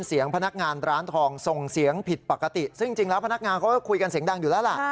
ส่งเสียงผิดปกติซึ่งจริงแล้วพนักงานเขาก็คุยกันเสียงดังอยู่แล้วล่ะ